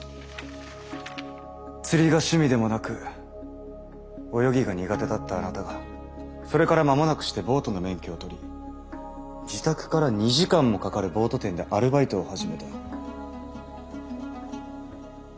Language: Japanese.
釣りが趣味でもなく泳ぎが苦手だったあなたがそれから間もなくしてボートの免許を取り自宅から２時間もかかるボート店でアルバイトを始めた。